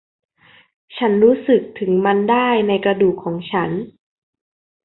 ฉันรู้สึกถึงมันได้ในกระดูกของฉัน